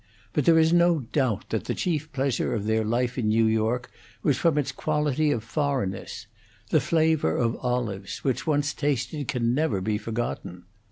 But there is no doubt that the chief pleasure of their life in New York was from its quality of foreignness: the flavor of olives, which, once tasted, can never be forgotten.